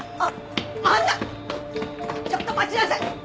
ちょっと待ちなさい！